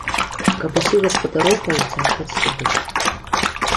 Каб усіх гаспадароў паўцягваць сюды.